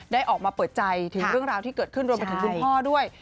ออกมาเปิดใจถึงเรื่องราวที่เกิดขึ้นรวมไปถึงคุณพ่อด้วย